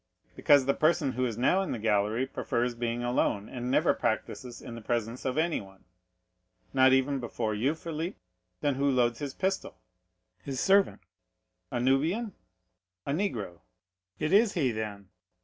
"Because the person who is now in the gallery prefers being alone, and never practices in the presence of anyone." "Not even before you, Philip? Then who loads his pistol?" "His servant." "A Nubian?" "A negro." "It is he, then."